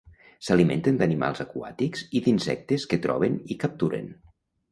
S'alimenten d'animals aquàtics i d'insectes que troben i capturen.